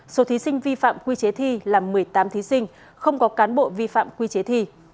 số thí sinh vi phạm quy chế thi là một mươi tám thí sinh không có cán bộ vi phạm quy chế thi